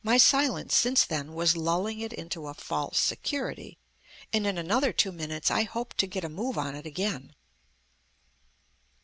My silence since then was lulling it into a false security, and in another two minutes I hoped to get a move on it again.